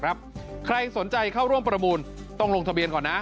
ใครสนใจเข้าร่วมประมูลต้องลงทะเบียนก่อนนะ